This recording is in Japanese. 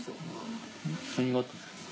何があったんですか？